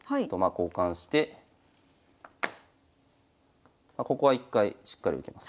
交換してここは一回しっかり受けます。